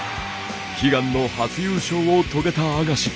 悲願の初優勝を遂げたアガシ。